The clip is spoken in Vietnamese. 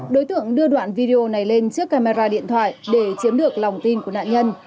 đối tượng đưa đoạn video này lên trước camera điện thoại để chiếm được lòng tin của nạn nhân